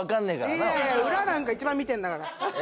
いやいや裏なんか一番見てるんだから。